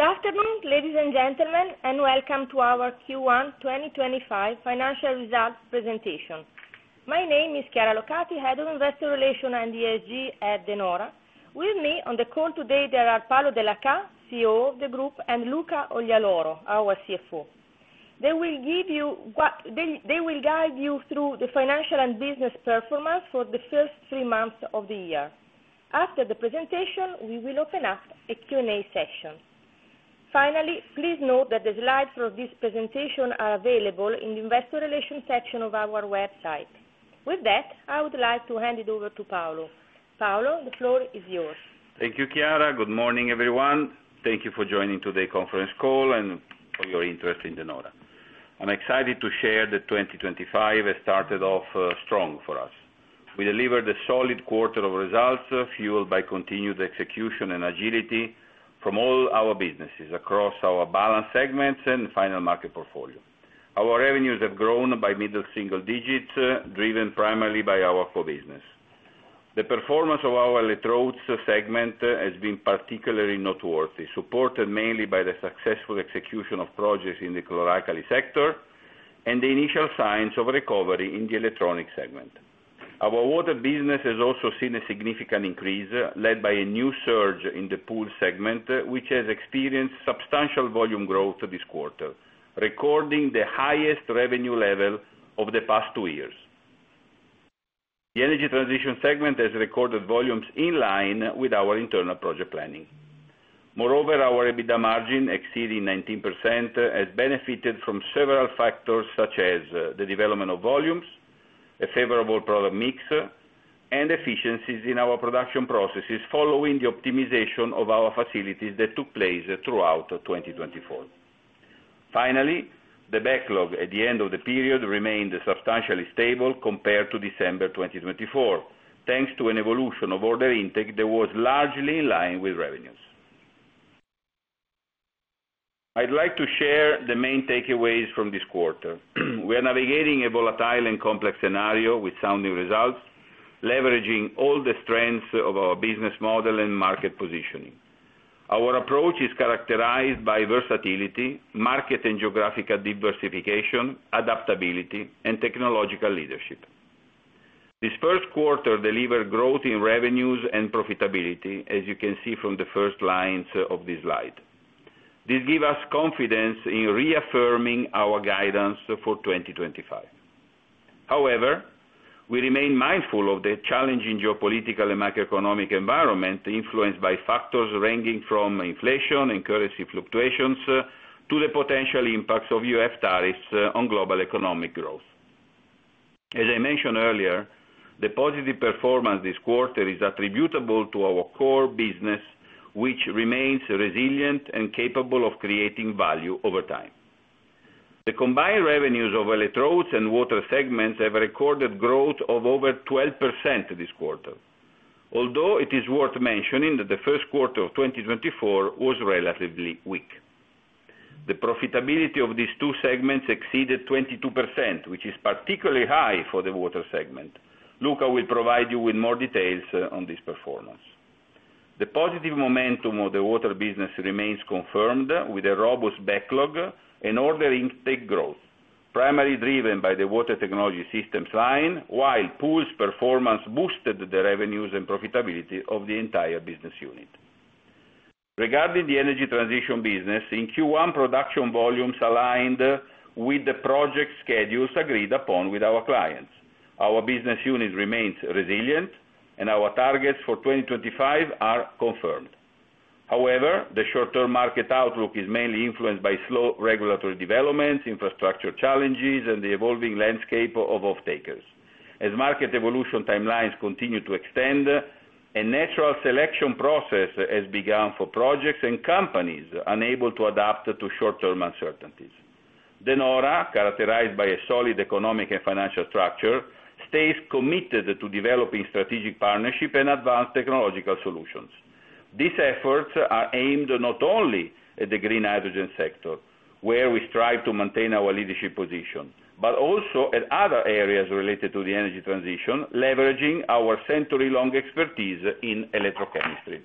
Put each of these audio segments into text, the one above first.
Good afternoon, ladies and gentlemen, and welcome to our Q1 2025 financial results presentation. My name is Chiara Locati, Head of Investor Relations and ESG at De Nora. With me on the call today, there are Paolo Dellachà, CEO of the group, and Luca Oglialoro, our CFO. They will guide you through the financial and business performance for the first three months of the year. After the presentation, we will open up a Q&A session. Finally, please note that the slides for this presentation are available in the Investor Relations section of our website. With that, I would like to hand it over to Paolo. Paolo, the floor is yours. Thank you, Chiara. Good morning, everyone. Thank you for joining today's conference call and for your interest in De Nora. I'm excited to share that 2025 has started off strong for us. We delivered a solid quarter of results, fueled by continued execution and agility from all our businesses across our balanced segments and final market portfolio. Our revenues have grown by middle single digits, driven primarily by our core business. The performance of our electrodes segment has been particularly noteworthy, supported mainly by the successful execution of projects in the chlor-alkali sector and the initial signs of recovery in the electronics segment. Our water business has also seen a significant increase, led by a new surge in the pool segment, which has experienced substantial volume growth this quarter, recording the highest revenue level of the past two years. The energy transition segment has recorded volumes in line with our internal project planning. Moreover, our EBITDA margin exceeding 19% has benefited from several factors, such as the development of volumes, a favorable product mix, and efficiencies in our production processes following the optimization of our facilities that took place throughout 2024. Finally, the backlog at the end of the period remained substantially stable compared to December 2024, thanks to an evolution of order intake that was largely in line with revenues. I'd like to share the main takeaways from this quarter. We are navigating a volatile and complex scenario with sounding results, leveraging all the strengths of our business model and market positioning. Our approach is characterized by versatility, market and geographical diversification, adaptability, and technological leadership. This first quarter delivered growth in revenues and profitability, as you can see from the first lines of this slide. This gives us confidence in reaffirming our guidance for 2025. However, we remain mindful of the challenging geopolitical and macroeconomic environment, influenced by factors ranging from inflation and currency fluctuations to the potential impacts of U.S. tariffs on global economic growth. As I mentioned earlier, the positive performance this quarter is attributable to our core business, which remains resilient and capable of creating value over time. The combined revenues of electrodes and water segments have recorded growth of over 12% this quarter, although it is worth mentioning that the first quarter of 2024 was relatively weak. The profitability of these two segments exceeded 22%, which is particularly high for the water segment. Luca will provide you with more details on this performance. The positive momentum of the water business remains confirmed with a robust backlog and order intake growth, primarily driven by the water technology systems line, while pools performance boosted the revenues and profitability of the entire business unit. Regarding the energy transition business, in Q1, production volumes aligned with the project schedules agreed upon with our clients. Our business unit remains resilient, and our targets for 2025 are confirmed. However, the short-term market outlook is mainly influenced by slow regulatory developments, infrastructure challenges, and the evolving landscape of off-takers. As market evolution timelines continue to extend, a natural selection process has begun for projects and companies unable to adapt to short-term uncertainties. De Nora, characterized by a solid economic and financial structure, stays committed to developing strategic partnerships and advanced technological solutions. These efforts are aimed not only at the green hydrogen sector, where we strive to maintain our leadership position, but also at other areas related to the energy transition, leveraging our century-long expertise in electrochemistry.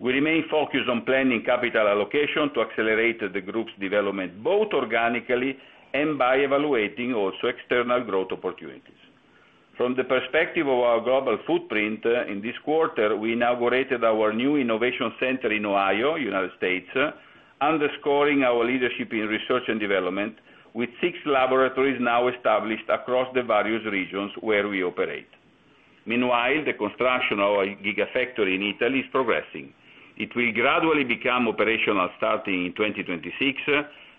We remain focused on planning capital allocation to accelerate the group's development, both organically and by evaluating also external growth opportunities. From the perspective of our global footprint, in this quarter, we inaugurated our new innovation center in Ohio, United States, underscoring our leadership in research and development with six laboratories now established across the various regions where we operate. Meanwhile, the construction of our gigafactory in Italy is progressing. It will gradually become operational starting in 2026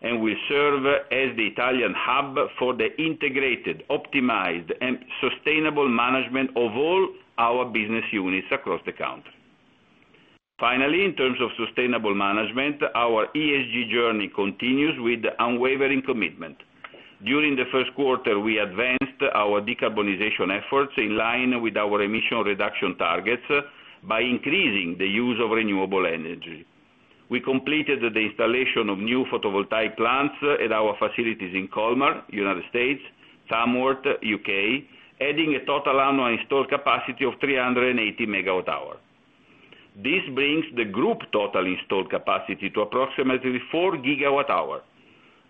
and will serve as the Italian hub for the integrated, optimized, and sustainable management of all our business units across the country. Finally, in terms of sustainable management, our ESG journey continues with unwavering commitment. During the first quarter, we advanced our decarbonization efforts in line with our emission reduction targets by increasing the use of renewable energy. We completed the installation of new photovoltaic plants at our facilities in Colmar, United States, Tamworth, U.K., adding a total annual installed capacity of 380 MWh. This brings the group total installed capacity to approximately 4 GWh.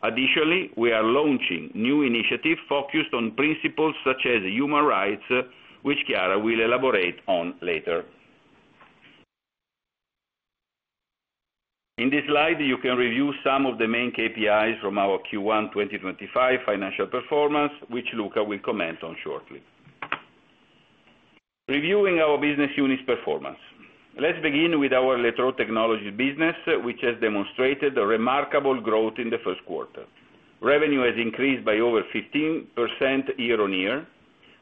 Additionally, we are launching new initiatives focused on principles such as human rights, which Chiara will elaborate on later. In this slide, you can review some of the main KPIs from our Q1 2025 financial performance, which Luca will comment on shortly. Reviewing our business unit's performance. Let's begin with our electrode technology business, which has demonstrated remarkable growth in the first quarter. Revenue has increased by over 15% year-on-year,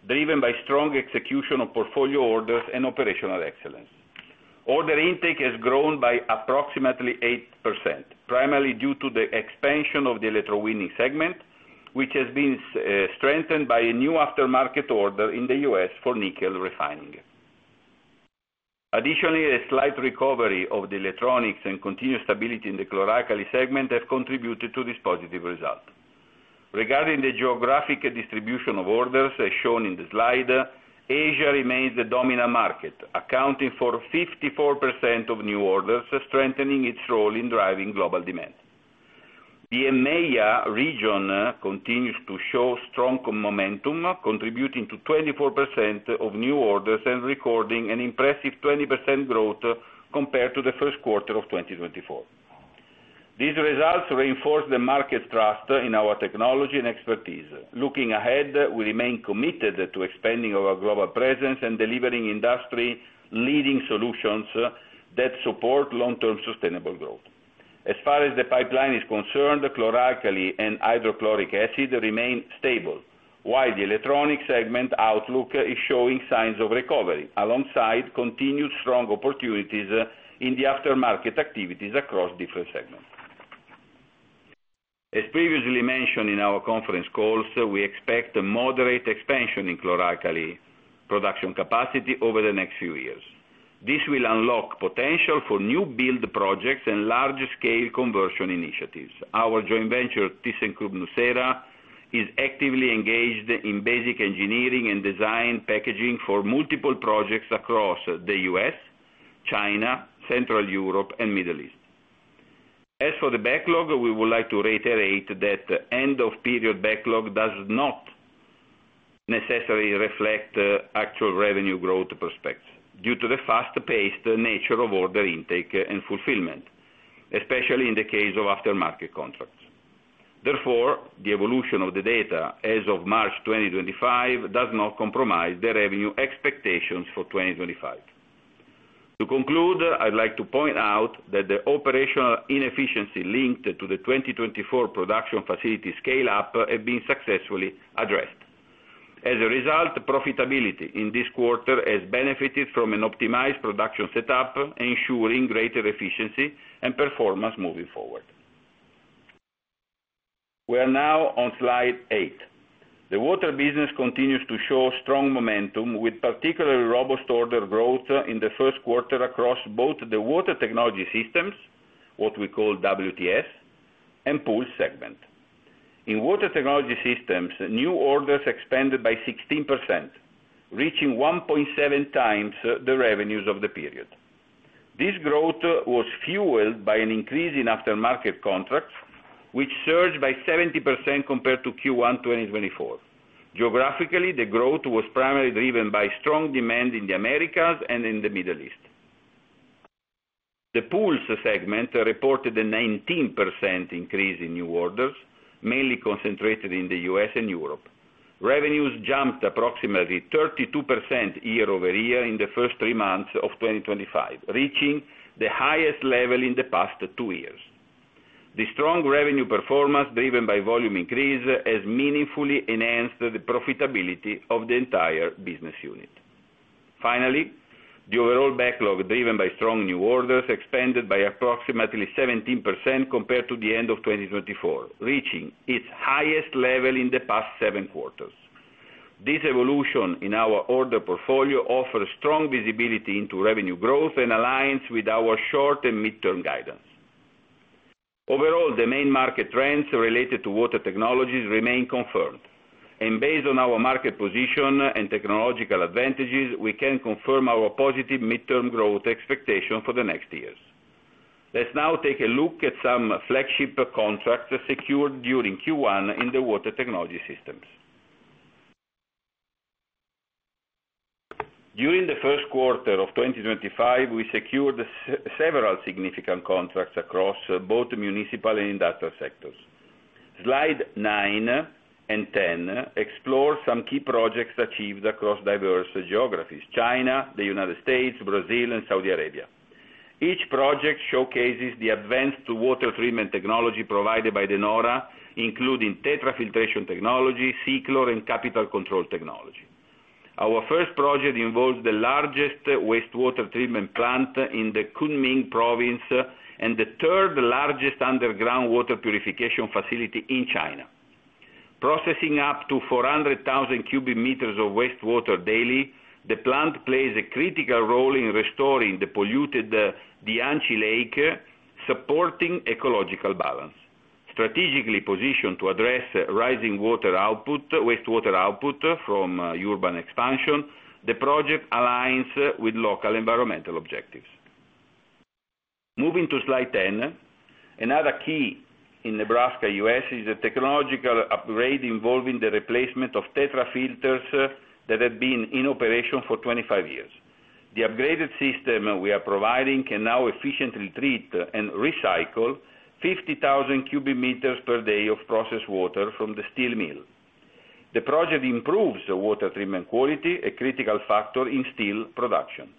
driven by strong execution of portfolio orders and operational excellence. Order intake has grown by approximately 8%, primarily due to the expansion of the electrowinning segment, which has been strengthened by a new aftermarket order in the U.S. for nickel refining. Additionally, a slight recovery of the electronics and continued stability in the chlor-alkali segment have contributed to this positive result. Regarding the geographic distribution of orders, as shown in the slide, Asia remains the dominant market, accounting for 54% of new orders, strengthening its role in driving global demand. The EMEA region continues to show strong momentum, contributing to 24% of new orders and recording an impressive 20% growth compared to the first quarter of 2024. These results reinforce the market trust in our technology and expertise. Looking ahead, we remain committed to expanding our global presence and delivering industry-leading solutions that support long-term sustainable growth. As far as the pipeline is concerned, chlor-alkali and hydrochloric acid remain stable, while the electronics segment outlook is showing signs of recovery alongside continued strong opportunities in the aftermarket activities across different segments. As previously mentioned in our conference calls, we expect a moderate expansion in chlor-alkali production capacity over the next few years. This will unlock potential for new build projects and large-scale conversion initiatives. Our joint venture, ThyssenKrupp Nucera, is actively engaged in basic engineering and design packaging for multiple projects across the U.S., China, Central Europe, and Middle East. As for the backlog, we would like to reiterate that end-of-period backlog does not necessarily reflect actual revenue growth prospects due to the fast-paced nature of order intake and fulfillment, especially in the case of aftermarket contracts. Therefore, the evolution of the data as of March 2025 does not compromise the revenue expectations for 2025. To conclude, I'd like to point out that the operational inefficiency linked to the 2024 production facility scale-up has been successfully addressed. As a result, profitability in this quarter has benefited from an optimized production setup, ensuring greater efficiency and performance moving forward. We are now on slide eight. The water business continues to show strong momentum, with particularly robust order growth in the first quarter across both the water technology systems, what we call WTS, and pool segment. In water technology systems, new orders expanded by 16%, reaching 1.7x the revenues of the period. This growth was fueled by an increase in aftermarket contracts, which surged by 70% compared to Q1 2024. Geographically, the growth was primarily driven by strong demand in the Americas and in the Middle East. The pools segment reported a 19% increase in new orders, mainly concentrated in the U.S. and Europe. Revenues jumped approximately 32% year-over-year in the first three months of 2025, reaching the highest level in the past two years. The strong revenue performance, driven by volume increase, has meaningfully enhanced the profitability of the entire business unit. Finally, the overall backlog, driven by strong new orders, expanded by approximately 17% compared to the end of 2024, reaching its highest level in the past seven quarters. This evolution in our order portfolio offers strong visibility into revenue growth and aligns with our short and midterm guidance. Overall, the main market trends related to water technologies remain confirmed, and based on our market position and technological advantages, we can confirm our positive midterm growth expectation for the next years. Let's now take a look at some flagship contracts secured during Q1 in the water technology systems. During the first quarter of 2025, we secured several significant contracts across both municipal and industrial sectors. Slide nine and ten explore some key projects achieved across diverse geographies: China, the United States, Brazil, and Saudi Arabia. Each project showcases the advanced water treatment technology provided by De Nora, including tetrafiltration technology, sea chlorine, and Capital Controls technology. Our first project involves the largest wastewater treatment plant in the Kunming province and the third-largest underground water purification facility in China. Processing up to 400,000 cubic meters of wastewater daily, the plant plays a critical role in restoring the polluted Dianchi Lake, supporting ecological balance. Strategically positioned to address rising wastewater output from urban expansion, the project aligns with local environmental objectives. Moving to slide ten, another key in Nebraska, U.S., is a technological upgrade involving the replacement of tetrafilters that have been in operation for 25 years. The upgraded system we are providing can now efficiently treat and recycle 50,000 cubic meters per day of processed water from the steel mill. The project improves water treatment quality, a critical factor in steel production.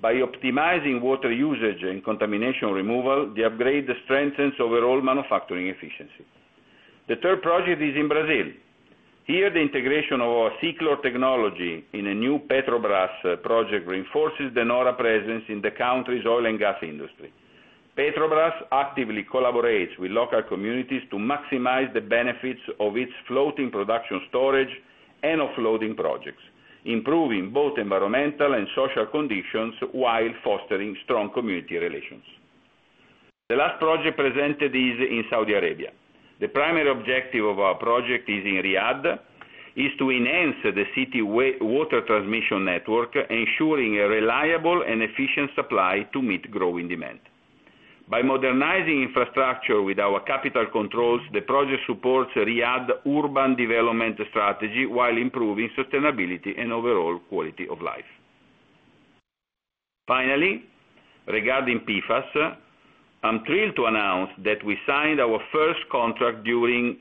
By optimizing water usage and contamination removal, the upgrade strengthens overall manufacturing efficiency. The third project is in Brazil. Here, the integration of our sea chlorine technology in a new Petrobras project reinforces De Nora's presence in the country's oil and gas industry. Petrobras actively collaborates with local communities to maximize the benefits of its floating production storage and offloading projects, improving both environmental and social conditions while fostering strong community relations. The last project presented is in Saudi Arabia. The primary objective of our project in Riyadh is to enhance the city's water transmission network, ensuring a reliable and efficient supply to meet growing demand. By modernizing infrastructure with our Capital Controls technology, the project supports Riyadh's urban development strategy while improving sustainability and overall quality of life. Finally, regarding PFAS, I'm thrilled to announce that we signed our first contract during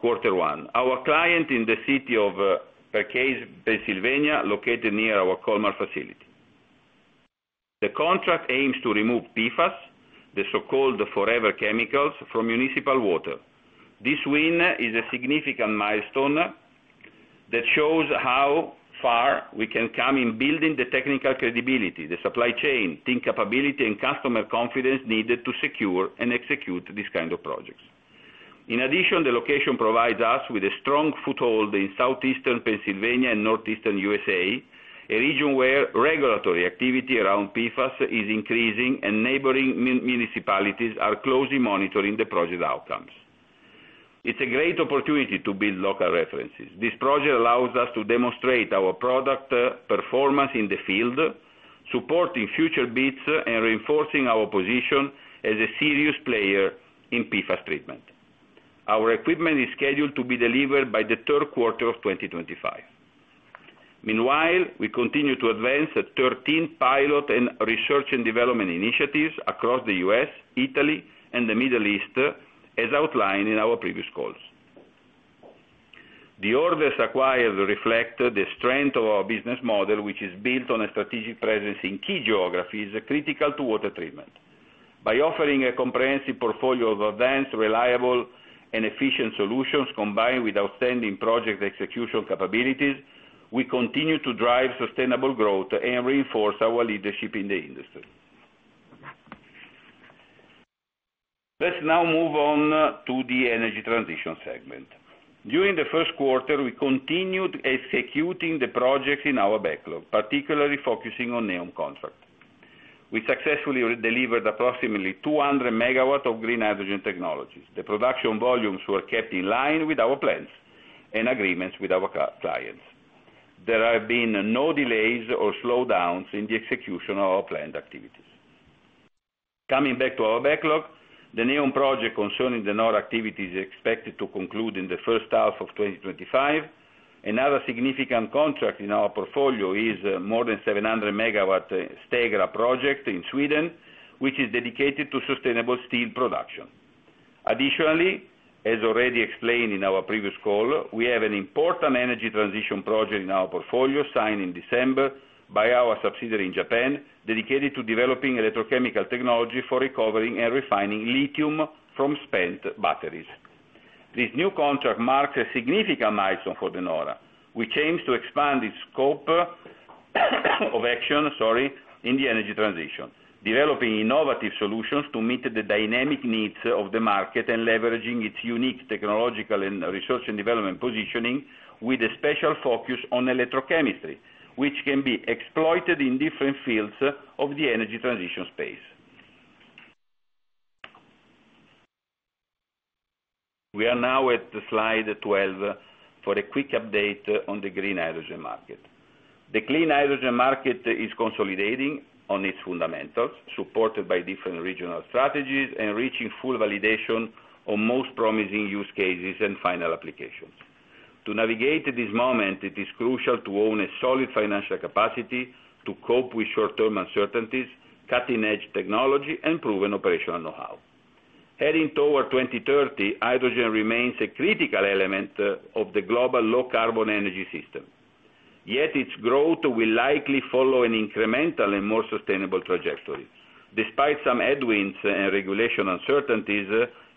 quarter one. Our client is in the city of Perkasie, Pennsylvania, located near our Colmar facility. The contract aims to remove PFAS, the so-called forever chemicals, from municipal water. This win is a significant milestone that shows how far we have come in building the technical credibility, the supply chain, team capability, and customer confidence needed to secure and execute these kinds of projects. In addition, the location provides us with a strong foothold in southeastern Pennsylvania and northeastern U.S., a region where regulatory activity around PFAS is increasing, and neighboring municipalities are closely monitoring the project outcomes. It's a great opportunity to build local references. This project allows us to demonstrate our product performance in the field, supporting future bids and reinforcing our position as a serious player in PFAS treatment. Our equipment is scheduled to be delivered by the third quarter of 2025. Meanwhile, we continue to advance 13 pilot and research and development initiatives across the U.S., Italy, and the Middle East, as outlined in our previous calls. The orders acquired reflect the strength of our business model, which is built on a strategic presence in key geographies critical to water treatment. By offering a comprehensive portfolio of advanced, reliable, and efficient solutions combined with outstanding project execution capabilities, we continue to drive sustainable growth and reinforce our leadership in the industry. Let's now move on to the energy transition segment. During the first quarter, we continued executing the projects in our backlog, particularly focusing on NEOM contracts. We successfully delivered approximately 200 MW of green hydrogen technologies. The production volumes were kept in line with our plans and agreements with our clients. There have been no delays or slowdowns in the execution of our planned activities. Coming back to our backlog, the NEOM project concerning De Nora activities is expected to conclude in the first half of 2025. Another significant contract in our portfolio is the more than 700 MW STEGRA project in Sweden, which is dedicated to sustainable steel production. Additionally, as already explained in our previous call, we have an important energy transition project in our portfolio signed in December by our subsidiary in Japan, dedicated to developing electrochemical technology for recovering and refining lithium from spent batteries. This new contract marks a significant milestone for De Nora, which aims to expand its scope of action, sorry, in the energy transition, developing innovative solutions to meet the dynamic needs of the market and leveraging its unique technological and research and development positioning with a special focus on electrochemistry, which can be exploited in different fields of the energy transition space. We are now at slide 12 for a quick update on the green hydrogen market. The clean hydrogen market is consolidating on its fundamentals, supported by different regional strategies and reaching full validation on most promising use cases and final applications. To navigate this moment, it is crucial to own a solid financial capacity to cope with short-term uncertainties, cutting-edge technology, and proven operational know-how. Heading toward 2030, hydrogen remains a critical element of the global low-carbon energy system. Yet its growth will likely follow an incremental and more sustainable trajectory. Despite some headwinds and regulation uncertainties,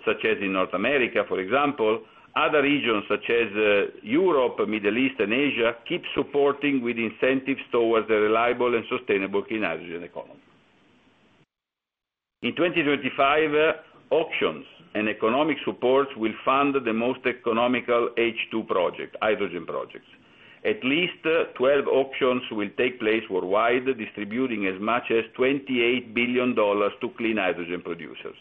such as in North America, for example, other regions such as Europe, Middle East, and Asia keep supporting with incentives towards a reliable and sustainable clean hydrogen economy. In 2025, auctions and economic supports will fund the most economical H2 project, hydrogen projects. At least 12 auctions will take place worldwide, distributing as much as $28 billion to clean hydrogen producers.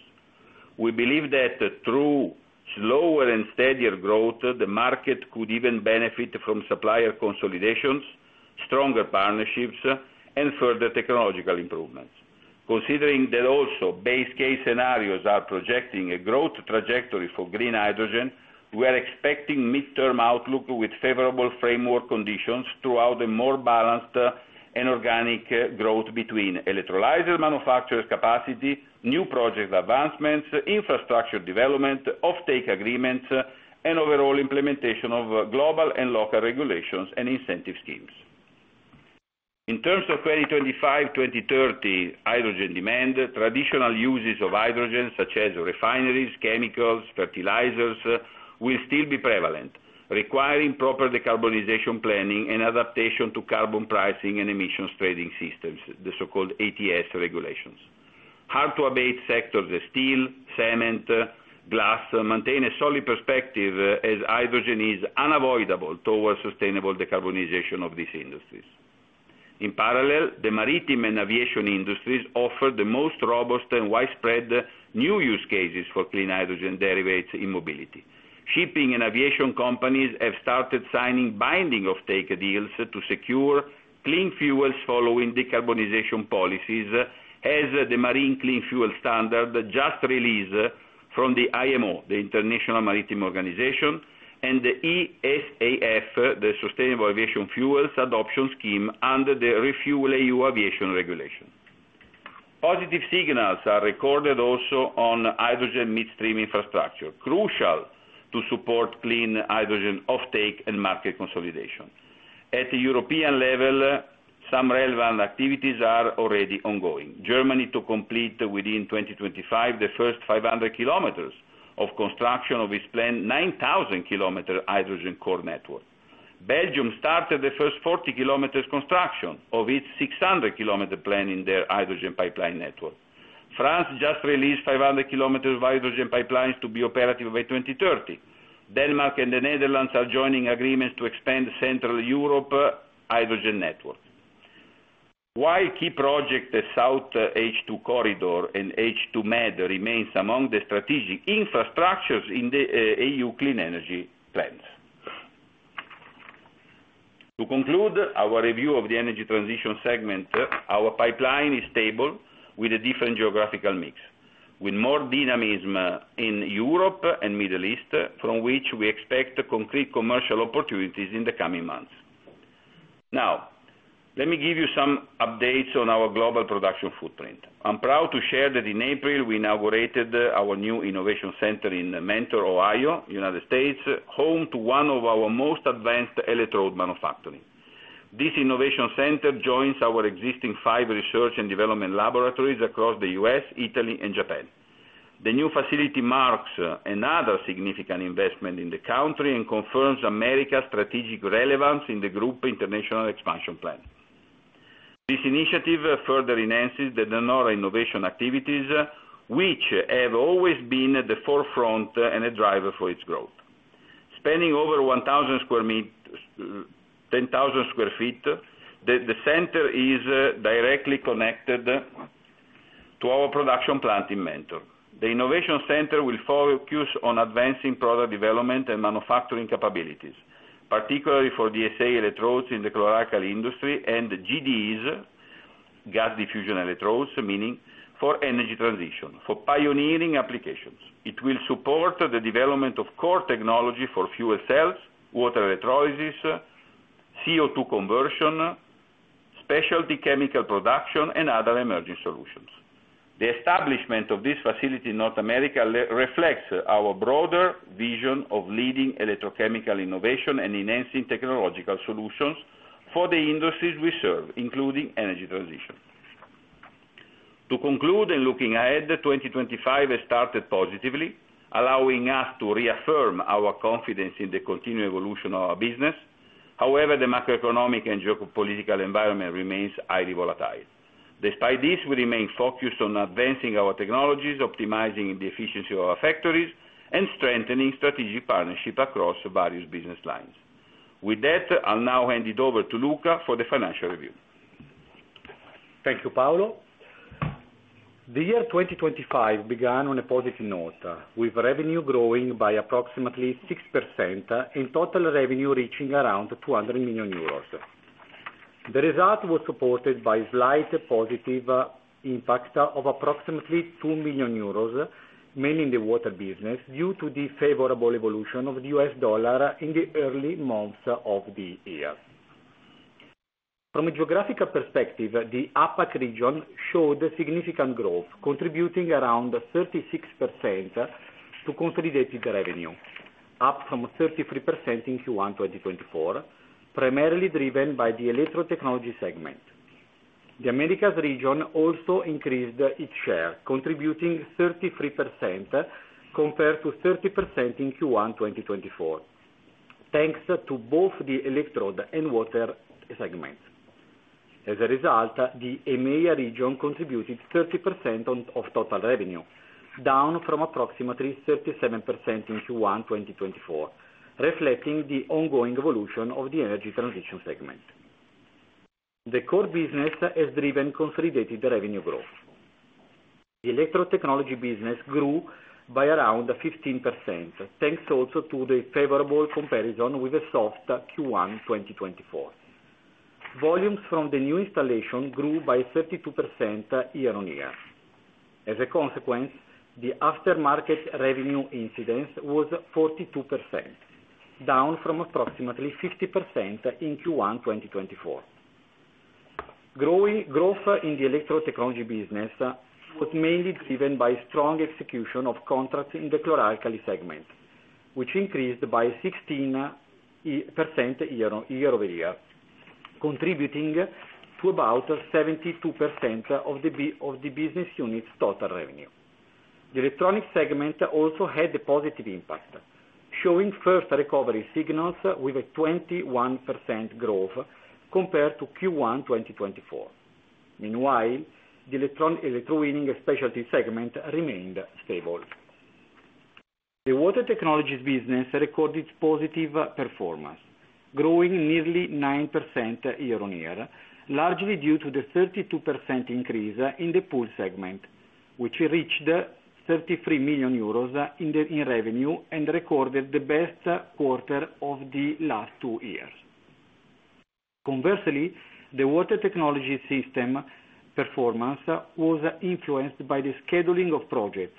We believe that through slower and steadier growth, the market could even benefit from supplier consolidations, stronger partnerships, and further technological improvements. Considering that also base case scenarios are projecting a growth trajectory for green hydrogen, we are expecting midterm outlook with favorable framework conditions throughout a more balanced and organic growth between electrolyzer manufacturers' capacity, new project advancements, infrastructure development, offtake agreements, and overall implementation of global and local regulations and incentive schemes. In terms of 2025-2030 hydrogen demand, traditional uses of hydrogen, such as refineries, chemicals, fertilizers, will still be prevalent, requiring proper decarbonization planning and adaptation to carbon pricing and emissions trading systems, the so-called ETS regulations. Hard-to-abate sectors of steel, cement, glass maintain a solid perspective as hydrogen is unavoidable towards sustainable decarbonization of these industries. In parallel, the maritime and aviation industries offer the most robust and widespread new use cases for clean hydrogen derivates in mobility. Shipping and aviation companies have started signing binding offtake deals to secure clean fuels following decarbonization policies, as the Marine Clean Fuel Standard just released from the IMO, the International Maritime Organization, and the ESAF, the Sustainable Aviation Fuels Adoption Scheme under the Refuel EU Aviation Regulation. Positive signals are recorded also on hydrogen midstream infrastructure, crucial to support clean hydrogen offtake and market consolidation. At the European level, some relevant activities are already ongoing. Germany to complete within 2025 the first 500 km of construction of its planned 9,000 km hydrogen core network. Belgium started the first 40 km construction of its 600 km plan in their hydrogen pipeline network. France just released 500 km of hydrogen pipelines to be operative by 2030. Denmark and the Netherlands are joining agreements to expand Central Europe hydrogen network. While key projects, the South H2 Corridor and H2med remain among the strategic infrastructures in the EU clean energy plans. To conclude our review of the energy transition segment, our pipeline is stable with a different geographical mix, with more dynamism in Europe and the Middle East, from which we expect concrete commercial opportunities in the coming months. Now, let me give you some updates on our global production footprint. I'm proud to share that in April, we inaugurated our new innovation center in Mentor, Ohio, United States, home to one of our most advanced electrode manufacturing. This innovation center joins our existing five research and development laboratories across the U.S., Italy, and Japan. The new facility marks another significant investment in the country and confirms America's strategic relevance in the group international expansion plan. This initiative further enhances the De Nora innovation activities, which have always been at the forefront and a driver for its growth. Spanning over 1,000 sq ft, the center is directly connected to our production plant in Mentor. The innovation center will focus on advancing product development and manufacturing capabilities, particularly for DSA electrodes in the chlor-alkali industry and GDEs, gas diffusion electrodes, meaning for energy transition, for pioneering applications. It will support the development of core technology for fuel cells, water electrolysis, CO2 conversion, specialty chemical production, and other emerging solutions. The establishment of this facility in North America reflects our broader vision of leading electrochemical innovation and enhancing technological solutions for the industries we serve, including energy transition. To conclude and looking ahead, 2025 has started positively, allowing us to reaffirm our confidence in the continued evolution of our business. However, the macroeconomic and geopolitical environment remains highly volatile. Despite this, we remain focused on advancing our technologies, optimizing the efficiency of our factories, and strengthening strategic partnerships across various business lines. With that, I'll now hand it over to Luca for the financial review. Thank you, Paolo. The year 2025 began on a positive note, with revenue growing by approximately 6%, in total revenue reaching around 200 million euros. The result was supported by a slight positive impact of approximately 2 million euros, mainly in the water business, due to the favorable evolution of the U.S. dollar in the early months of the year. From a geographical perspective, the APAC region showed significant growth, contributing around 36% to consolidated revenue, up from 33% in Q1 2024, primarily driven by the electro-technology segment. The Americas region also increased its share, contributing 33% compared to 30% in Q1 2024, thanks to both the electrode and water segments. As a result, the EMEA region contributed 30% of total revenue, down from approximately 37% in Q1 2024, reflecting the ongoing evolution of the energy transition segment. The core business has driven consolidated revenue growth. The electro-technology business grew by around 15%, thanks also to the favorable comparison with the soft Q1 2024. Volumes from the new installation grew by 32% year on year. As a consequence, the aftermarket revenue incidence was 42%, down from approximately 50% in Q1 2024. Growth in the electro-technology business was mainly driven by strong execution of contracts in the chlor-alkali segment, which increased by 16% year-over-year, contributing to about 72% of the business unit's total revenue. The electronic segment also had a positive impact, showing first recovery signals with a 21% growth compared to Q1 2024. Meanwhile, the electrowinning specialty segment remained stable. The water technology business recorded positive performance, growing nearly 9% year on year, largely due to the 32% increase in the pool segment, which reached 33 million euros in revenue and recorded the best quarter of the last two years. Conversely, the water technology systems performance was influenced by the scheduling of projects,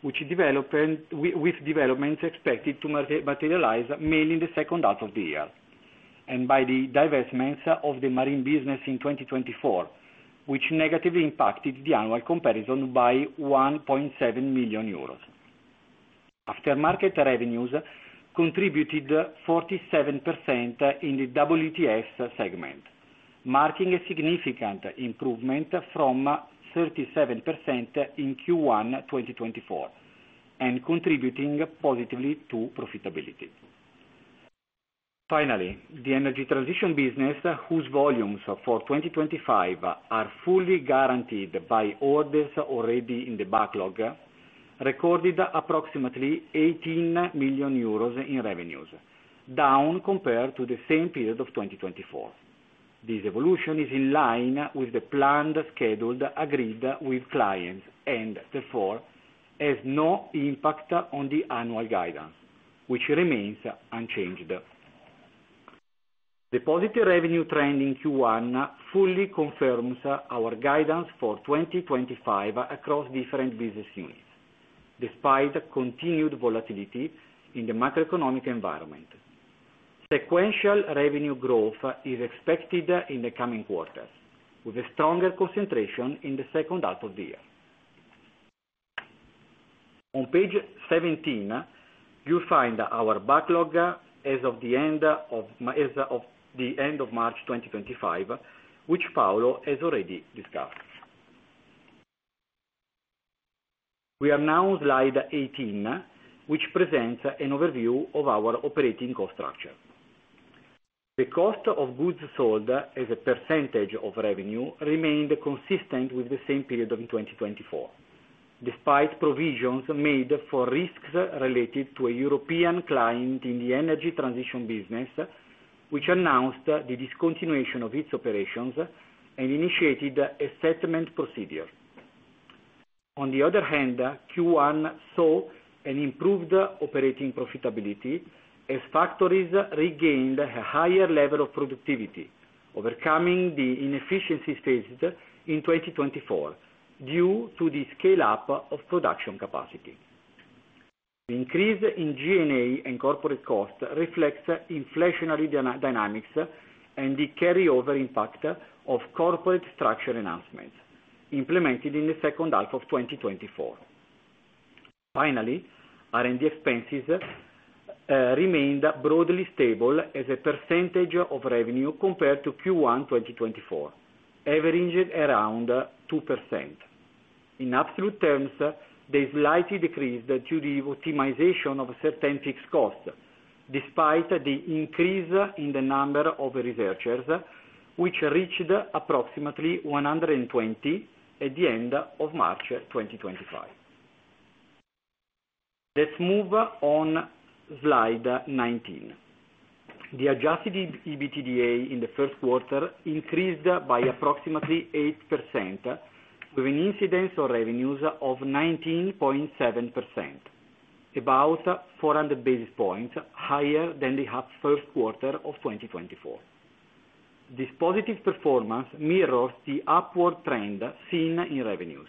which developed with developments expected to materialize mainly in the second half of the year, and by the divestments of the marine business in 2024, which negatively impacted the annual comparison by 1.7 million euros. Aftermarket revenues contributed 47% in the WTS segment, marking a significant improvement from 37% in Q1 2024, and contributing positively to profitability. Finally, the energy transition business, whose volumes for 2025 are fully guaranteed by orders already in the backlog, recorded approximately 18 million euros in revenues, down compared to the same period of 2024. This evolution is in line with the planned schedule agreed with clients and, therefore, has no impact on the annual guidance, which remains unchanged. The positive revenue trend in Q1 fully confirms our guidance for 2025 across different business units, despite continued volatility in the macroeconomic environment. Sequential revenue growth is expected in the coming quarters, with a stronger concentration in the second half of the year. On page 17, you find our backlog as of the end of March 2025, which Paolo has already discussed. We are now on slide 18, which presents an overview of our operating cost structure. The cost of goods sold as a percentage of revenue remained consistent with the same period of 2024, despite provisions made for risks related to a European client in the energy transition business, which announced the discontinuation of its operations and initiated a settlement procedure. On the other hand, Q1 saw an improved operating profitability as factories regained a higher level of productivity, overcoming the inefficiencies faced in 2024 due to the scale-up of production capacity. The increase in G&A and corporate costs reflects inflationary dynamics and the carryover impact of corporate structure enhancements implemented in the second half of 2024. Finally, R&D expenses remained broadly stable as a percentage of revenue compared to Q1 2024, averaging around 2%. In absolute terms, they slightly decreased due to the optimization of certain fixed costs, despite the increase in the number of researchers, which reached approximately 120 at the end of March 2025. Let's move on to slide 19. The adjusted EBITDA in the first quarter increased by approximately 8%, with an incidence on revenues of 19.7%, about 400 basis points higher than the first quarter of 2024. This positive performance mirrors the upward trend seen in revenues,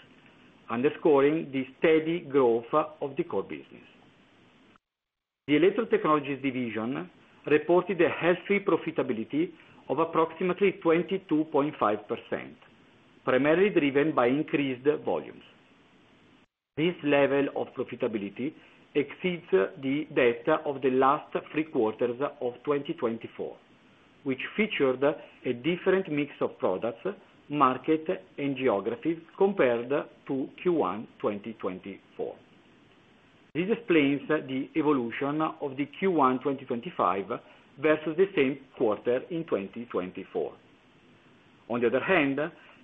underscoring the steady growth of the core business. The electro-technologies division reported a healthy profitability of approximately 22.5%, primarily driven by increased volumes. This level of profitability exceeds the data of the last three quarters of 2024, which featured a different mix of products, market, and geographies compared to Q1 2024. This explains the evolution of the Q1 2025 versus the same quarter in 2024. On the other hand,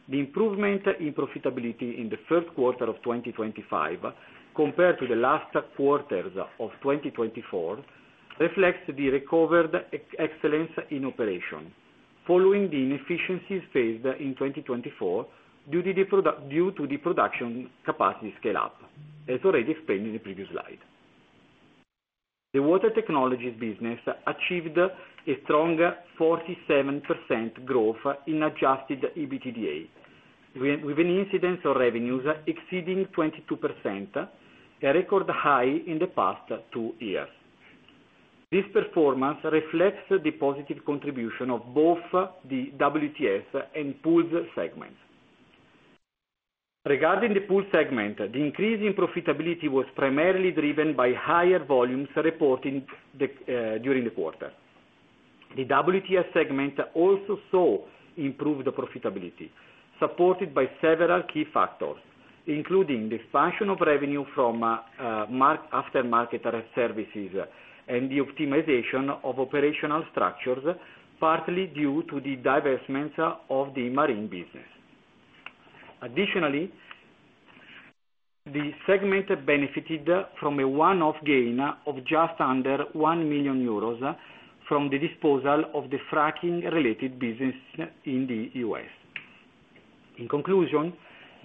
the improvement in profitability in the first quarter of 2025 compared to the last quarters of 2024 reflects the recovered excellence in operation, following the inefficiencies faced in 2024 due to the production capacity scale-up, as already explained in the previous slide. The water technologies business achieved a strong 47% growth in adjusted EBITDA, with an incidence on revenues exceeding 22%, a record high in the past two years. This performance reflects the positive contribution of both the WTS and pools segments. Regarding the pooled segment, the increase in profitability was primarily driven by higher volumes reported during the quarter. The WTS segment also saw improved profitability, supported by several key factors, including the expansion of revenue from aftermarket services and the optimization of operational structures, partly due to the divestments of the marine business. Additionally, the segment benefited from a one-off gain of just under 1 million euros from the disposal of the fracking-related business in the U.S. In conclusion,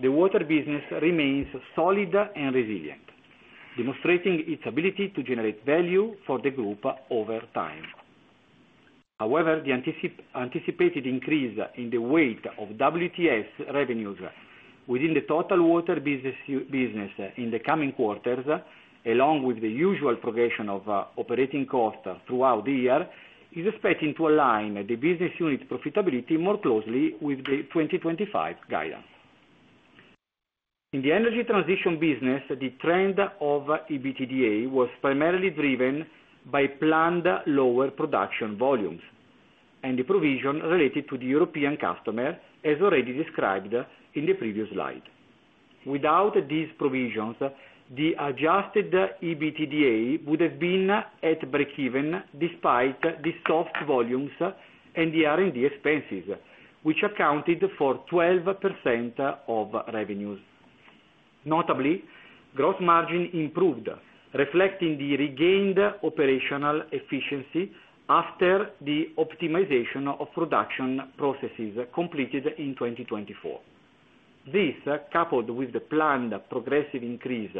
the water business remains solid and resilient, demonstrating its ability to generate value for the group over time. However, the anticipated increase in the weight of WTS revenues within the total water business in the coming quarters, along with the usual progression of operating costs throughout the year, is expected to align the business unit profitability more closely with the 2025 guidance. In the energy transition business, the trend of EBITDA was primarily driven by planned lower production volumes and the provision related to the European customer, as already described in the previous slide. Without these provisions, the adjusted EBITDA would have been at break-even despite the soft volumes and the R&D expenses, which accounted for 12% of revenues. Notably, gross margin improved, reflecting the regained operational efficiency after the optimization of production processes completed in 2024. This, coupled with the planned progressive increase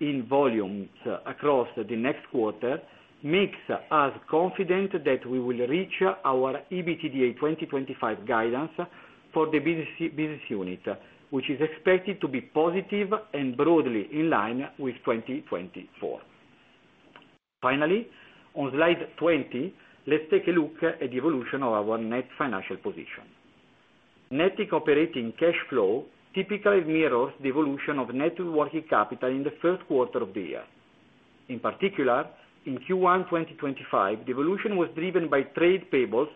in volumes across the next quarter, makes us confident that we will reach our EBITDA 2025 guidance for the business unit, which is expected to be positive and broadly in line with 2024. Finally, on slide 20, let's take a look at the evolution of our net financial position. Net operating cash flow typically mirrors the evolution of net working capital in the first quarter of the year. In particular, in Q1 2025, the evolution was driven by trade payables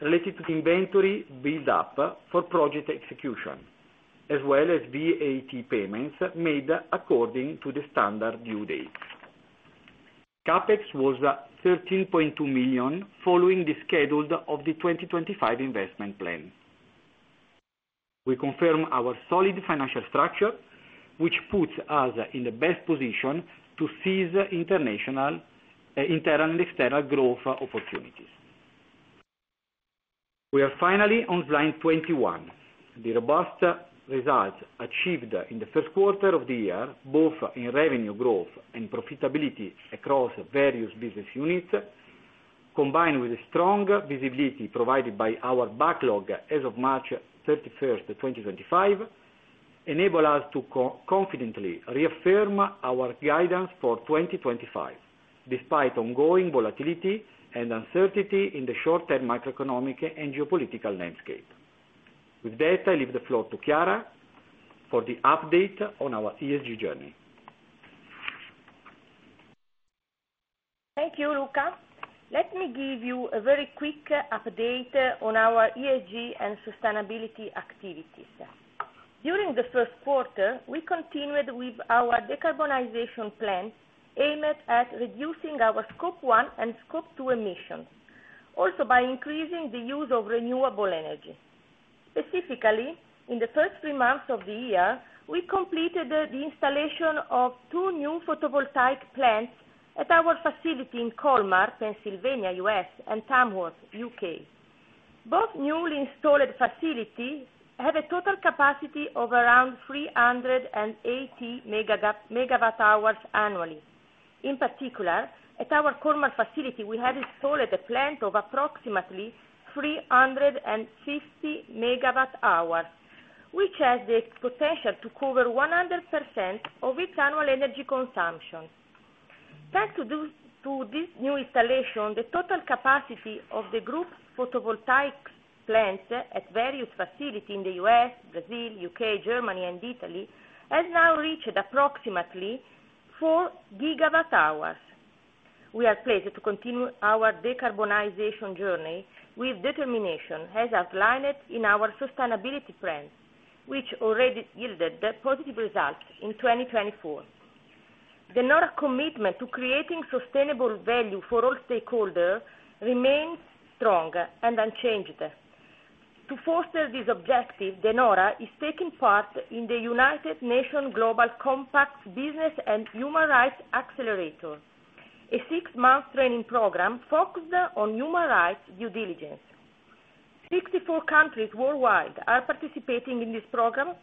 related to inventory build-up for project execution, as well as VAT payments made according to the standard due date. CapEx was 13.2 million, following the schedule of the 2025 investment plan. We confirm our solid financial structure, which puts us in the best position to seize international, internal, and external growth opportunities. We are finally on slide 21. The robust results achieved in the first quarter of the year, both in revenue growth and profitability across various business units, combined with the strong visibility provided by our backlog as of March 31, 2025, enable us to confidently reaffirm our guidance for 2025, despite ongoing volatility and uncertainty in the short-term macroeconomic and geopolitical landscape. With that, I leave the floor to Chiara for the update on our ESG journey. Thank you, Luca. Let me give you a very quick update on our ESG and sustainability activities. During the first quarter, we continued with our decarbonization plan aimed at reducing our Scope 1 and Scope 2 emissions, also by increasing the use of renewable energy. Specifically, in the first three months of the year, we completed the installation of two new photovoltaic plants at our facility in Colmar, Pennsylvania, U.S., and Tamworth, U.K. Both newly installed facilities have a total capacity of around 380 MWh annually. In particular, at our Colmar facility, we have installed a plant of approximately 350 MWh, which has the potential to cover 100% of its annual energy consumption. Thanks to this new installation, the total capacity of the group photovoltaic plants at various facilities in the U.S., Brazil, U.K., Germany, and Italy has now reached approximately 4 GWh. We are pleased to continue our decarbonization journey with determination, as outlined in our sustainability plan, which already yielded positive results in 2024. De Nora's commitment to creating sustainable value for all stakeholders remains strong and unchanged. To foster this objective, De Nora is taking part in the United Nations Global Compact Business and Human Rights Accelerator, a six-month training program focused on human rights due diligence. 64 countries worldwide are participating in this program,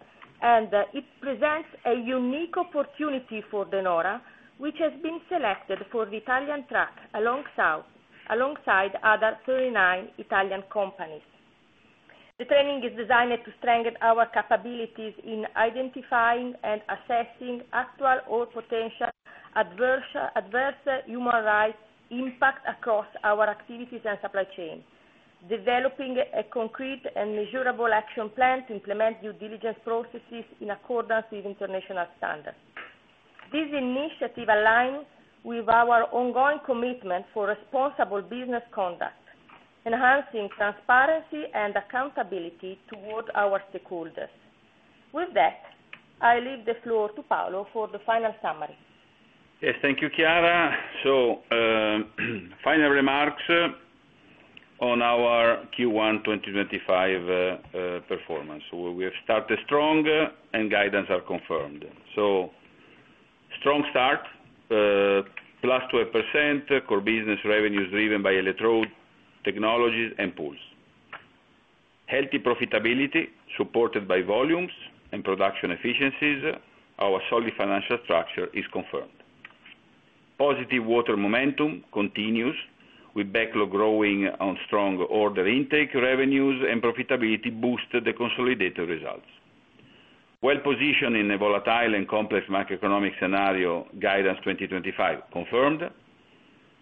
and it presents a unique opportunity for De Nora, which has been selected for the Italian track alongside other thirty-nine Italian companies. The training is designed to strengthen our capabilities in identifying and assessing actual or potential adverse human rights impacts across our activities and supply chain, developing a concrete and measurable action plan to implement due diligence processes in accordance with international standards. This initiative aligns with our ongoing commitment for responsible business conduct, enhancing transparency and accountability towards our stakeholders. With that, I leave the floor to Paolo for the final summary. Yes, thank you, Chiara. Final remarks on our Q1 2025 performance. We have started strong, and guidance is confirmed. Strong start, plus 12% core business revenues driven by electrode technologies and pools. Healthy profitability supported by volumes and production efficiencies. Our solid financial structure is confirmed. Positive water momentum continues, with backlog growing on strong order intake, revenues, and profitability boosted the consolidated results. Well-positioned in a volatile and complex macroeconomic scenario, guidance 2025 confirmed.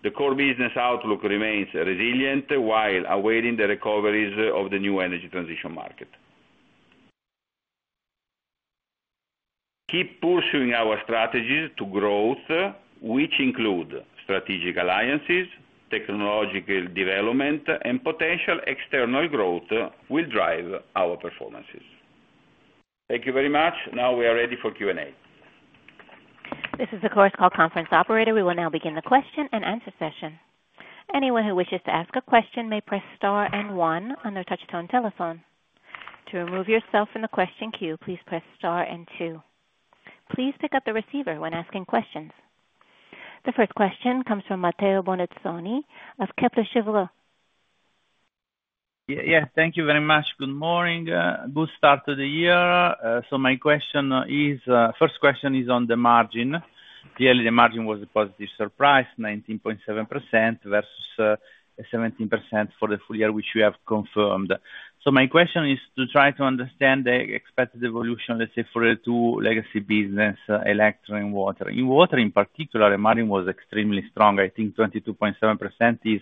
The core business outlook remains resilient while awaiting the recoveries of the new energy transition market. Keep pursuing our strategies to growth, which include strategic alliances, technological development, and potential external growth will drive our performances. Thank you very much. Now we are ready for Q&A. This is the course call conference operator. We will now begin the question and answer session. Anyone who wishes to ask a question may press star and one on their touchstone telephone. To remove yourself from the question queue, please press star and two. Please pick up the receiver when asking questions. The first question comes from Matteo Bonizzoni of Kepler Cheuvreux. Yes, thank you very much. Good morning. Good start to the year. My question is, first question is on the margin. Yearly margin was a positive surprise, 19.7% versus 17% for the full year, which we have confirmed. My question is to try to understand the expected evolution, let's say, for the two legacy business, electric and water. In water in particular, the margin was extremely strong. I think 22.7% is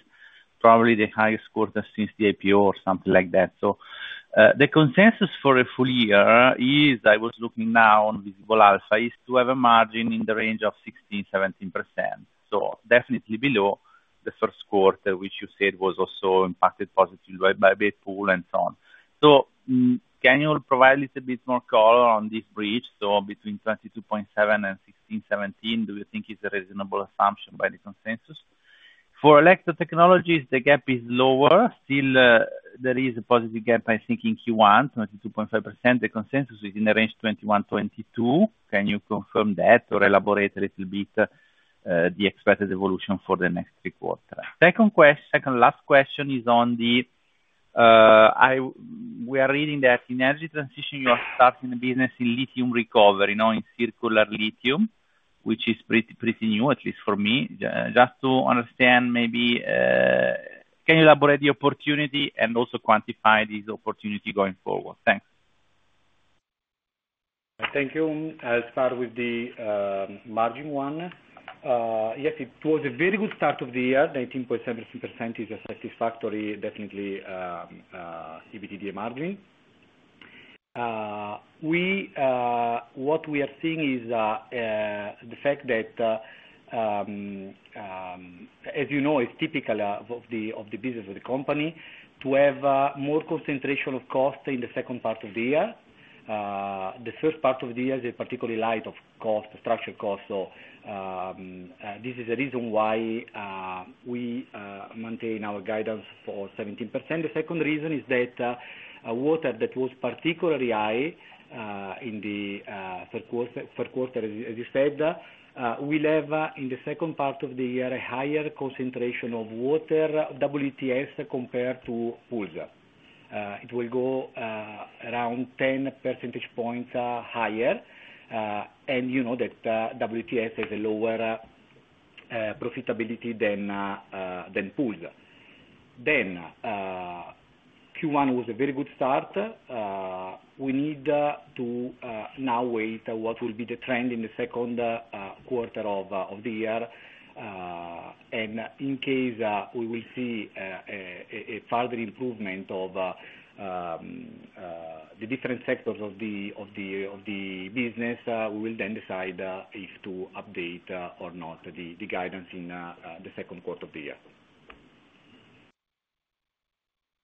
probably the highest quarter since the IPO or something like that. The consensus for the full year is, I was looking now on Visible Alpha, is to have a margin in the range of 16-17%. Definitely below the first quarter, which you said was also impacted positively by pool and so on. Can you provide a little bit more color on this bridge? Between 22.7 and 16-17, do you think is a reasonable assumption by the consensus? For electrode technologies, the gap is lower. Still, there is a positive gap, I think, in Q1, 22.5%. The consensus is in the range 21-22%. Can you confirm that or elaborate a little bit the expected evolution for the next three quarters? Second last question is on the, we are reading that in energy transition, you are starting a business in lithium recovery, in circular lithium, which is pretty new, at least for me. Just to understand, maybe can you elaborate the opportunity and also quantify this opportunity going forward? Thanks. Thank you. I'll start with the margin one. Yes, it was a very good start of the year. 19.7% is a satisfactory, definitely, EBITDA margin. What we are seeing is the fact that, as you know, it's typical of the business of the company to have more concentration of cost in the second part of the year. The first part of the year is particularly light of cost, structure cost. This is the reason why we maintain our guidance for 17%. The second reason is that water that was particularly high in the third quarter, as you said, we have in the second part of the year a higher concentration of water, WTS, compared to pools. It will go around 10 percentage points higher. You know that WTS has a lower profitability than pools. Q1 was a very good start. We need to now wait what will be the trend in the second quarter of the year. In case we will see a further improvement of the different sectors of the business, we will then decide if to update or not the guidance in the second quarter of the year.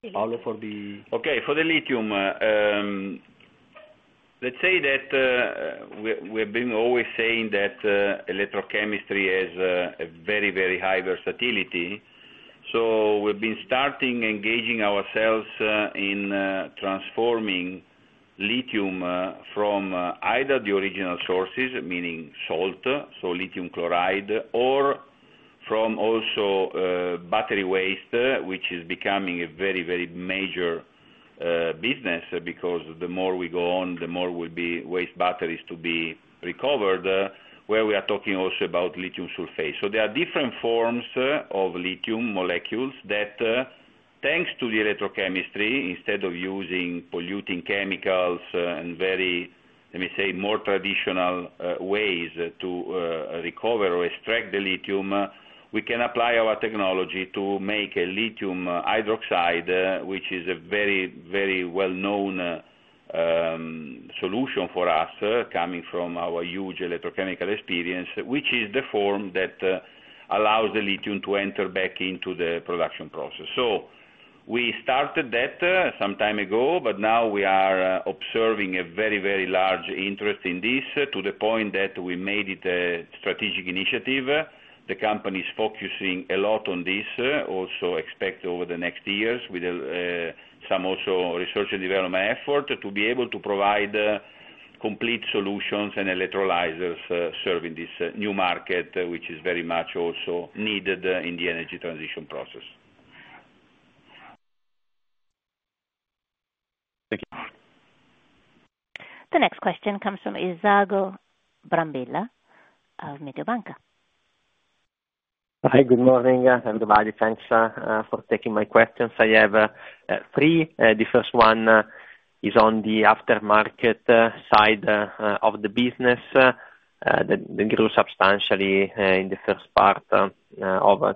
Okay, for the lithium, let's say that we have been always saying that electrochemistry has a very, very high versatility. We have been starting engaging ourselves in transforming lithium from either the original sources, meaning salt, so lithium chloride, or from also battery waste, which is becoming a very, very major business because the more we go on, the more will be waste batteries to be recovered, where we are talking also about lithium sulfate. There are different forms of lithium molecules that, thanks to the electrochemistry, instead of using polluting chemicals and very, let me say, more traditional ways to recover or extract the lithium, we can apply our technology to make a lithium hydroxide, which is a very, very well-known solution for us, coming from our huge electrochemical experience, which is the form that allows the lithium to enter back into the production process. We started that some time ago, but now we are observing a very, very large interest in this to the point that we made it a strategic initiative. The company is focusing a lot on this, also expected over the next years with some also research and development effort to be able to provide complete solutions and electrolyzers serving this new market, which is very much also needed in the energy transition process. Thank you. The next question comes from Isacco Brambilla of Mediobanca. Hi, good morning. Thank you, Chiara, for taking my questions. I have three. The first one is on the aftermarket side of the business that grew substantially in the first part of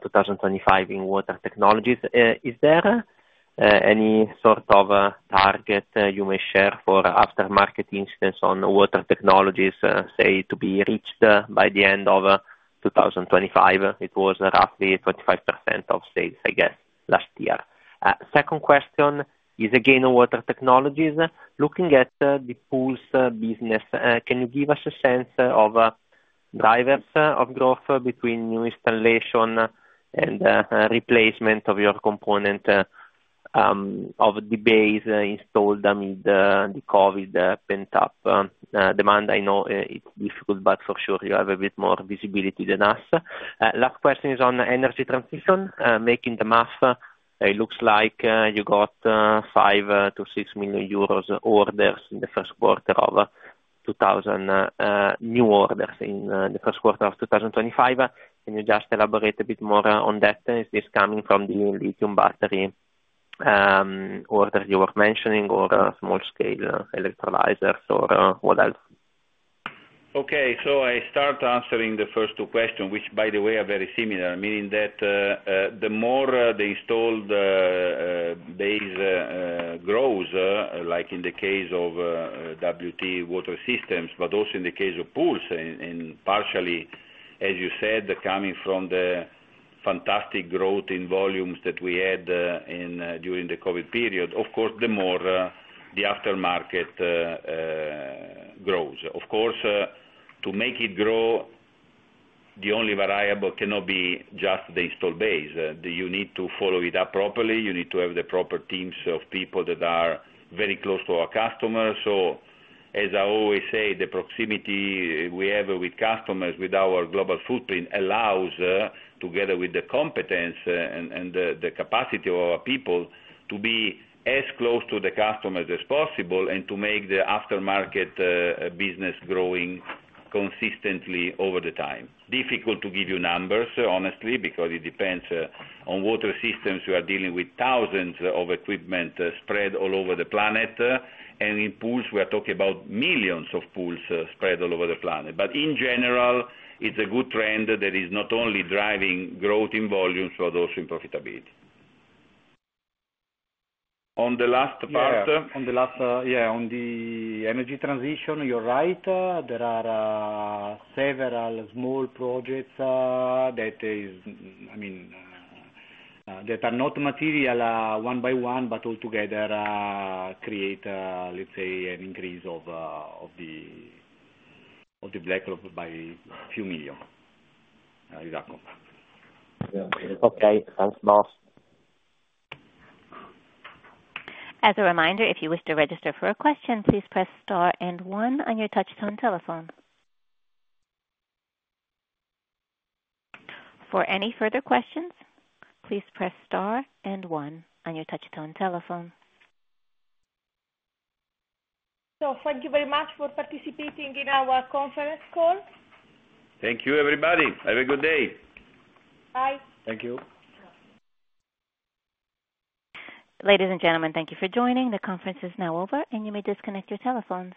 2025 in water technologies. Is there any sort of target you may share for aftermarket incidence on water technologies, say, to be reached by the end of 2025? It was roughly 25% of sales, I guess, last year. Second question is again on water technologies. Looking at the pools business, can you give us a sense of drivers of growth between new installation and replacement of your component of the base installed amid the COVID pent-up demand? I know it's difficult, but for sure you have a bit more visibility than us. Last question is on energy transition. Making the math, it looks like you got 5 million-6 million euros orders in the first quarter of 2024, new orders in the first quarter of 2025. Can you just elaborate a bit more on that? Is this coming from the lithium battery order you were mentioning or small-scale electrolyzers or what else? Okay, so I start answering the first two questions, which, by the way, are very similar, meaning that the more the installed base grows, like in the case of WTS water systems, but also in the case of pools, and partially, as you said, coming from the fantastic growth in volumes that we had during the COVID period, of course, the more the aftermarket grows. Of course, to make it grow, the only variable cannot be just the installed base. You need to follow it up properly. You need to have the proper teams of people that are very close to our customers. As I always say, the proximity we have with customers, with our global footprint, allows, together with the competence and the capacity of our people, to be as close to the customers as possible and to make the aftermarket business growing consistently over the time. Difficult to give you numbers, honestly, because it depends on water systems. We are dealing with thousands of equipment spread all over the planet. In pools, we are talking about millions of pools spread all over the planet. In general, it is a good trend that is not only driving growth in volumes, but also in profitability. On the last part. Yeah, on the last, yeah, on the energy transition, you are right. There are several small projects that are, I mean, that are not material one by one, but altogether create, let's say, an increase of the backlog by a few million. Okay, thanks, boss. As a reminder, if you wish to register for a question, please press star and one on your touchstone telephone. For any further questions, please press star and one on your touchstone telephone. Thank you very much for participating in our conference call. Thank you, everybody. Have a good day. Bye. Thank you. Ladies and gentlemen, thank you for joining. The conference is now over, and you may disconnect your telephones.